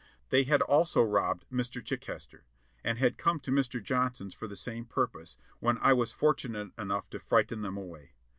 They had also robbed Mr. Chichester, and had come to Mr. Johnson's for the same purpose, when I was fortunate enough to frighten them away.